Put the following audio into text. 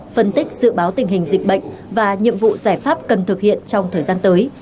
phân tích dự báo tình hình dịch bệnh và nhiệm vụ giải pháp cần thực hiện trong thời gian tới